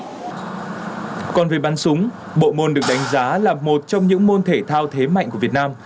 còn về bắn súng bộ môn được đánh giá là một trong những môn thể thao thế mạnh của việt nam